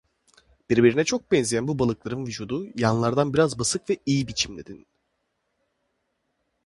Birbirine çok benzeyen bu balıkların vücudu yanlardan biraz basık ve iğ biçimindedir.